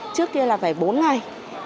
trước kia là phải bốn ngày